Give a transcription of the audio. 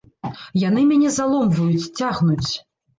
Яны мяне заломваюць, цягнуць.